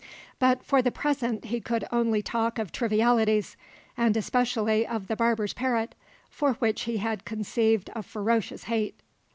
But for the present he could only talk of trivialities, and especially of the barber's parrot, for which he had conceived a ferocious hate.